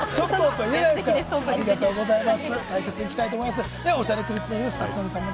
ありがとうございます。